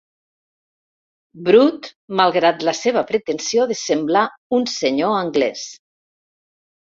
Brut, malgrat la seva pretensió de semblar un senyor anglès.